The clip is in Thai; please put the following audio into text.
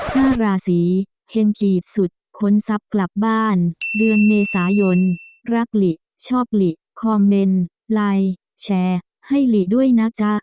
ห้าราศีเฮงกีดสุดค้นทรัพย์กลับบ้านเดือนเมษายนรักหลิชอบหลีคอมเมนต์ไลน์แชร์ให้หลีด้วยนะจ๊ะ